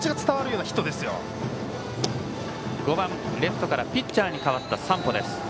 続いて５番レフトからピッチャーに変わった山保です。